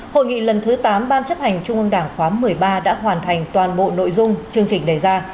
hội nghị lần thứ tám ban chấp hành trung ương đảng khóa một mươi ba đã hoàn thành toàn bộ nội dung chương trình đề ra